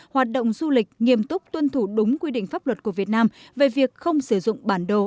hoạt động du lịch nghiêm túc tuân thủ đúng quy định pháp luật của việt nam về việc không sử dụng bản đồ